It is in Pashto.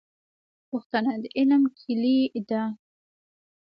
پوښتنه د علم کیلي ده